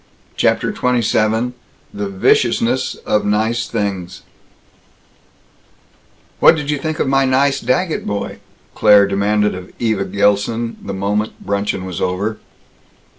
CHAPTER XXVII THE VICIOUSNESS OF NICE THINGS "What did you think of my nice Daggett boy?" Claire demanded of Eva Gilson, the moment bruncheon was over.